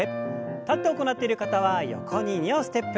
立って行っている方は横に２歩ステップ。